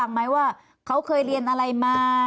ตอนที่จะไปอยู่โรงเรียนจบมไหนคะ